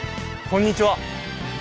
こんにちは。